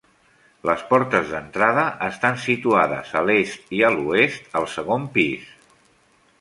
Les portes d'entrada estan situades a l'est i a l'oest al segon pis.